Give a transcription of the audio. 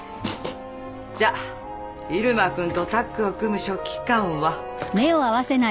じゃ入間君とタッグを組む書記官は。